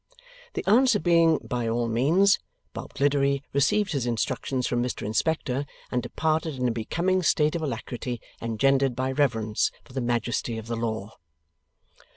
The answer being By all means, Bob Gliddery received his instructions from Mr Inspector, and departed in a becoming state of alacrity engendered by reverence for the majesty of the law.